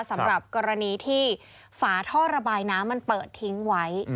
สำหรับกรณีที่ฝาท่อระบายน้ำมันเปิดทิ้งไว้